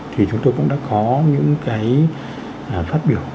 thì chúng tôi cũng đã có những cái phát biểu